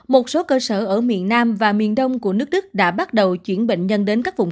một số cơ sở ở miền nam và miền đông của nước đức đã bắt đầu chuyển bệnh nhân đến các vùng